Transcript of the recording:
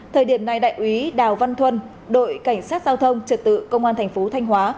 thời điểm này đại úy đào văn thuân đội cảnh sát giao thông trật tự công an thành phố thanh hóa